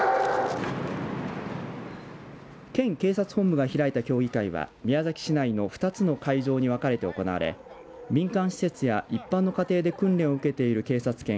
県警察本部が開いた競技会は宮崎市内の２つの会場に分かれて行われ民間施設や一般の家庭で訓練を受けている警察犬